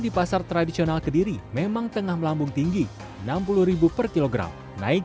di pasar tradisional kediri memang tengah melambung tinggi enam puluh per kilogram naik